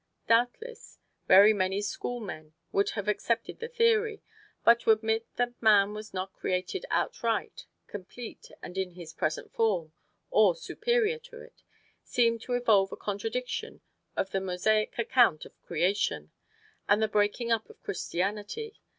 Doubtless, very many schoolmen would have accepted the theory, but to admit that man was not created outright, complete, and in his present form, or superior to it, seemed to evolve a contradiction of the Mosaic account of Creation, and the breaking up of Christianity.